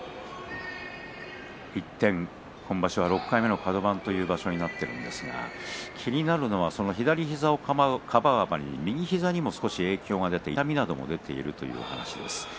一転、今場所は６回目のカド番となっていますが気になるのは左膝をかばうあまりに右膝にも影響が出て痛みなども出ているということです。